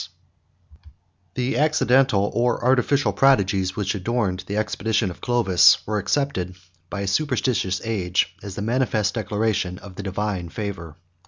] The accidental, or artificial, prodigies which adorned the expedition of Clovis, were accepted by a superstitious age, as the manifest declaration of the divine favor.